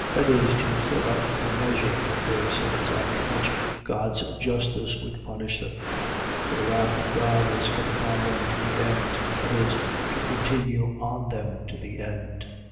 . .That is, to fill up the measure of their sins, after which God's justice would punish them. For the wrath of God is come upon them to the end. . .That is, to continue on them to the end.